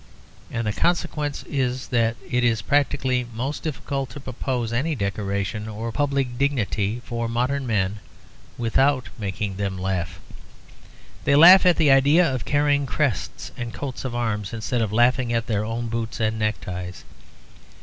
And the consequence is that it is practically most difficult to propose any decoration or public dignity for modern men without making them laugh. They laugh at the idea of carrying crests and coats of arms instead of laughing at their own boots and neckties.